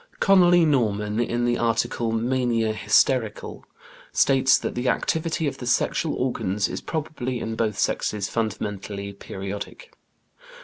Conolly Norman, in the article "Mania, Hysterical" (Tuke's Psychological Dictionary), states that "the activity of the sexual organs is probably in both sexes fundamentally periodic."